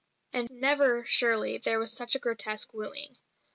And never surely was there such a grotesque wooing.